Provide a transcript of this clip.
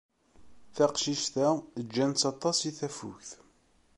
Taqcict-a ǧǧan-tt aṭas i tafukt.